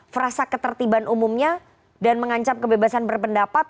frasa ketertiban umumnya dan mengancam kebebasan berpendapat